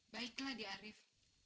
baiklah di arief